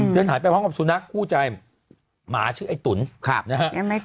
เดินหายไปพร้อมกับสุนัขคู่ใจหมาชื่อไอ้ตุ๋นนะฮะ